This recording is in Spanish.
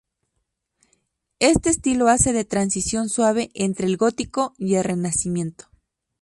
Este estilo hace de transición suave entre el gótico y el renacimiento.